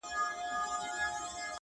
ته مجرم یې ګناکاره یې هر چاته.